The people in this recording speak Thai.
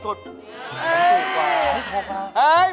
ถูกกว่าถูกแล้วโอ้โฮโอ้โฮโอ้โฮโอ้โฮโอ้โฮ